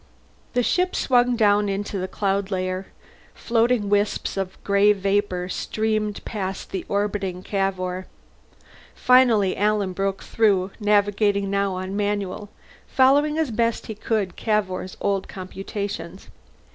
The ship swung down into the cloud layer; floating wisps of gray vapor streamed past the orbiting Cavour. Finally Alan broke through, navigating now on manual, following as best he could Cavour's old computations.